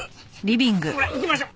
ほら行きましょう。